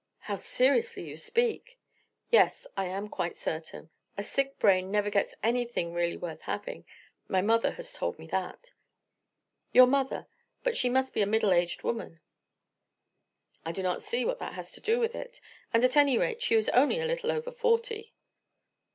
How seriously you speak!" "Yes, I am quite certain. A sick brain never gets anything really worth having. My mother has told me that." "Your mother; but she must be a middle aged woman." "I do not see what that has to do with it; and at any rate she is only a little over forty."